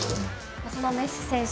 そのメッシ選手